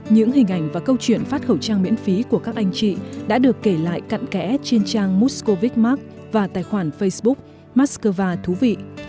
những hình ảnh và câu chuyện phát khẩu trang miễn phí của các anh chị đã được kể lại cận kẽ trên trang muscovite mark và tài khoản facebook moscow thú vị